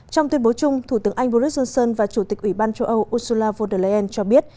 trong tuyên bố chung thủ tướng anh boris johnson và chủ tịch ủy ban châu âu ursula von der leyen cho biết